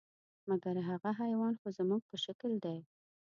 مګر هغه حیوان خو زموږ په شکل دی .